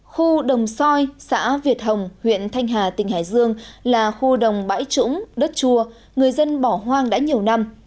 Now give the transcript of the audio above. khu đồng soi xã việt hồng huyện thanh hà tỉnh hải dương là khu đồng bãi trũng đất chua người dân bỏ hoang đã nhiều năm